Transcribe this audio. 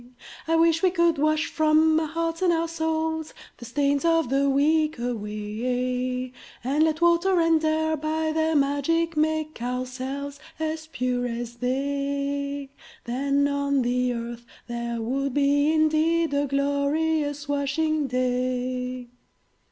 I wish we could wash from our hearts and our souls The stains of the week away, And let water and air by their magic make Ourselves as pure as they; Then on the earth there would be indeed A glorious washing day!